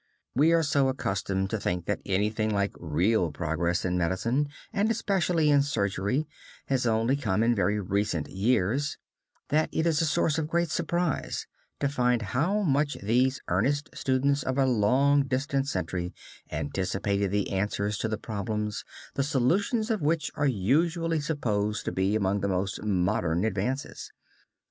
We are so accustomed to think that anything like real progress in medicine, and especially in surgery, has only come in very recent years, that it is a source of great surprise to find how much these earnest students of a long distant century anticipated the answers to problems, the solutions of which are usually supposed to be among the most modern advances.